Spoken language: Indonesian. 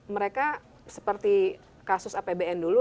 mereka seperti kasus apbn dulu